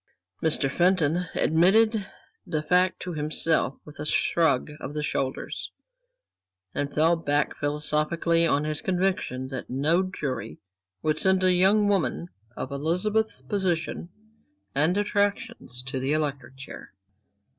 Mr. Fenton admitted the fact to himself with a shrug of the shoulders, and fell back philosophically on his conviction that no jury would send a young woman of Elizabeth's position and attractions to the electric chair.